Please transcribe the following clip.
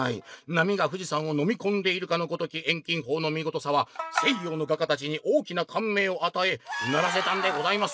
なみが富士山をのみこんでいるかのごとき遠近ほうのみごとさは西洋の画家たちに大きなかんめいを与えうならせたんでございます！」。